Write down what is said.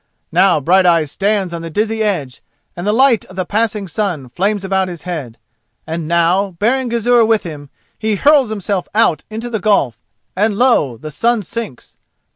Now Brighteyes stands on the dizzy edge and the light of the passing sun flames about his head. And now, bearing Gizur with him, he hurls himself out into the gulf, and lo! the sun sinks!